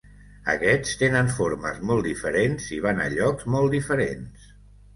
Aquests tenen formes molt diferents i van a llocs molt diferents.